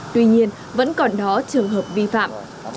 tuy nhiên vẫn còn đó trường hợp vi phạm